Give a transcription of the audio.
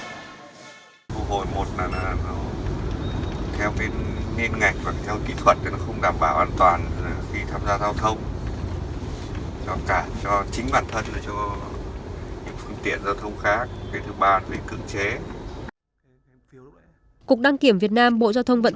thu hồi một là theo cái nghiên ngạch và theo kỹ thuật